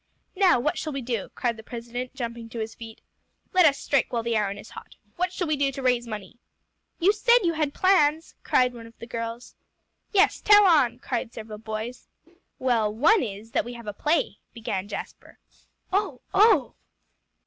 "Now what shall we do?" cried the president, jumping to his feet. "Let us strike while the iron is hot. What shall we do to raise money?" "You said you had plans," cried one of the girls. "Yes tell on," cried several boys. "Well, one is, that we have a play," began Jasper. "Oh oh!"